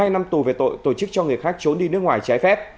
hai năm tù về tội tổ chức cho người khác trốn đi nước ngoài trái phép